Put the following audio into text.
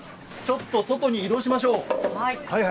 外に移動しましょう。